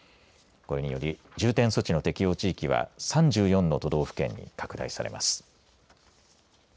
これにより重点措置の適用地域は３４の都道府県に拡大されます。